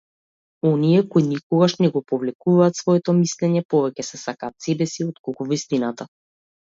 Оние кои никогаш не го повлекуваат своето мислење, повеќе се сакаат себеси отколку вистината.